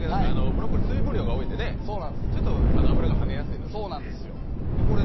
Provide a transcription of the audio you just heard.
ブロッコリー水分量が多いんでね、ちょっと油がはねやすいので。